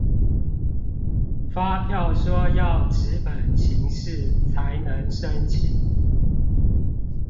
發票說要紙本形式才能申請